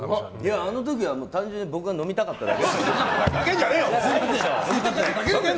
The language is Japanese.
あの時は単純に僕が飲みたかっただけ。